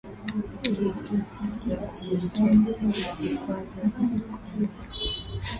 Lengo kuu la kumuwekea vikwazo Biko walimaansha ya kwamba